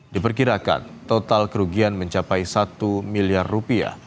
diperkirakan total kerugian mencapai satu miliar rupiah